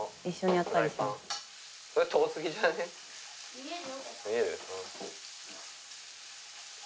見える？